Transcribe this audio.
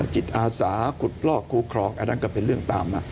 จิตอาสาขุดลอกคู่ครองอันนั้นก็เป็นเรื่องตามมา